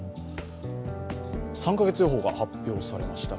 ３か月予報が発表されました、